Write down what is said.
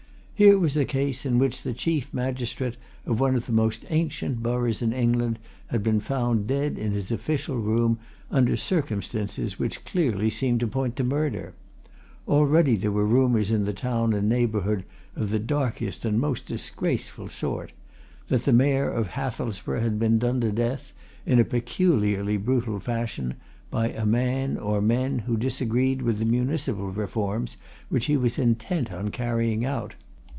Here was a case in which the chief magistrate of one of the most ancient boroughs in England had been found dead in his official room under circumstances which clearly seemed to point to murder. Already there were rumours in the town and neighbourhood of the darkest and most disgraceful sort that the Mayor of Hathelsborough had been done to death, in a peculiarly brutal fashion, by a man or men who disagreed with the municipal reforms which he was intent on carrying out.